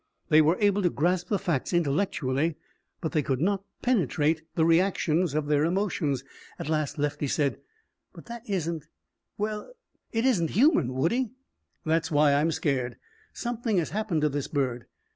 They were able to grasp the facts intellectually, but they could not penetrate the reactions of their emotions. At last Lefty said: "But that isn't well it isn't human, Woodie." "That's why I'm scared. Something has happened to this bird.